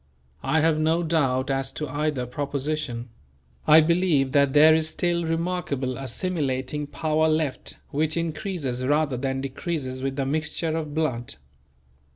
I have no doubt as to either proposition; I believe that there is still remarkable assimilating power left which increases rather than decreases with the mixture of blood.